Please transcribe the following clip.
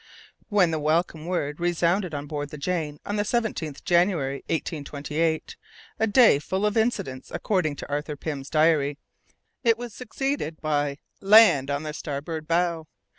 When the welcome word resounded on board the Jane on the 17th January, 1828 (a day full of incidents according to Arthur Pym's diary) it was succeeded by "Land on the starboard bow!"